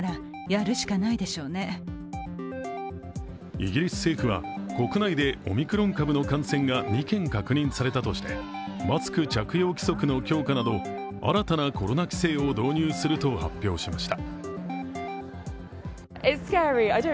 イギリス政府は国内でオミクロン株の感染が２件確認されたとしてマスク着用規則の強化など、新たなコロナ規制を導入すると発表しました。